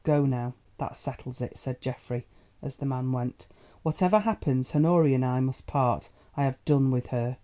Go now." "That settles it," said Geoffrey, as the man went. "Whatever happens, Honoria and I must part. I have done with her."